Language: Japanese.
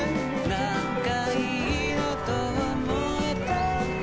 なんかいいなと思えたんだ